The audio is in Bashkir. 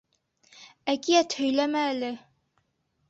— Әкиәт һөйләмә әле.